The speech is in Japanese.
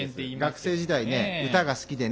学生時代歌が好きでね。